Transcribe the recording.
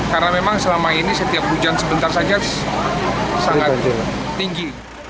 karena memang selama ini setiap hujan sebentar saja sangat tinggi